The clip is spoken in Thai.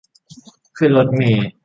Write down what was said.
ขึ้นรถเมล์